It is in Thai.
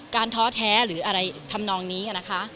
ท้อแท้หรืออะไรทำนองนี้นะคะ